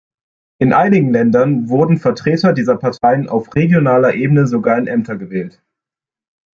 In einigen Ländern wurden Vertreter dieser Parteien auf regionaler Ebene sogar in Ämter gewählt.